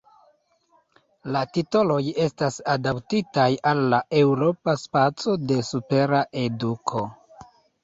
La titoloj estas adaptitaj al la Eŭropa Spaco de Supera Eduko.